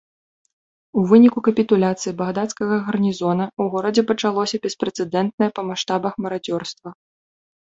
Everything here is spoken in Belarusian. У выніку капітуляцыі багдадскага гарнізона ў горадзе пачалося беспрэцэдэнтнае па маштабах марадзёрства.